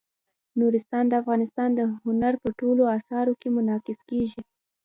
نورستان د افغانستان د هنر په ټولو اثارو کې منعکس کېږي.